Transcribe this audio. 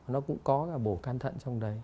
nó cũng có cả bổ can thận trong đấy